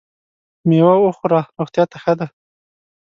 مېوه وخوره ! روغتیا ته ښه ده .